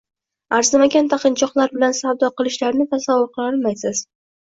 Arzimagan taqinchoqlar bilan savdo qilishlarini tasavvur qilolmaysiz.